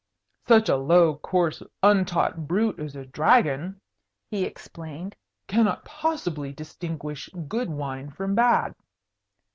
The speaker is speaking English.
"Such a low, coarse, untaught brute as a dragon," he explained, "cannot possibly distinguish good wine from bad."